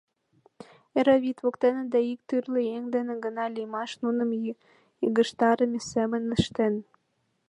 Эре вӱд воктене да ик тӱрлӧ еҥ дене гына лиймаш нуным йыгыжтарыме семын ыштен.